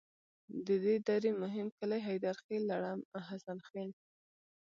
د دې درې مهم کلي حیدرخیل، لړم، حسن خیل.